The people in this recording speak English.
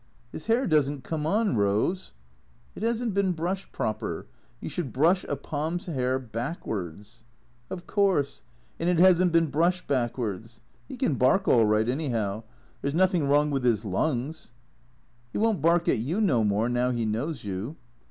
" His hair does n't come on, Eose "" It has n't been brushed proper. You should brush a Pom's 'air backwards "" Of course, and it has n't been brushed backwards. He can bark all right, anyhow. There 's nothing wrong with his lungs." " He won't bark at you no more, now he knows you."